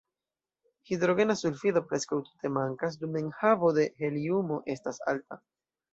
Hidrogena sulfido preskaŭ tute mankas, dum enhavo de heliumo estas alta.